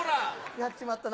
やっちまったな。